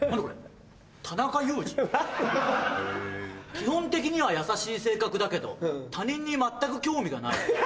「基本的には優しい性格だけど他人に全く興味がない。